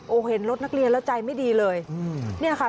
โอ้โหเห็นรถนักเรียนแล้วใจไม่ดีเลยอืมเนี่ยค่ะ